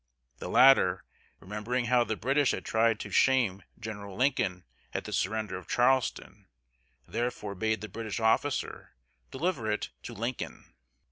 The latter, remembering how the British had tried to shame General Lincoln at the surrender of Charleston, therefore bade the British officer deliver it to Lincoln.